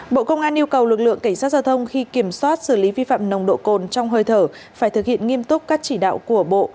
bộ công an yêu cầu lực lượng cảnh sát giao thông khi kiểm soát xử lý vi phạm nồng độ cồn trong hơi thở phải thực hiện nghiêm túc các chỉ đạo của bộ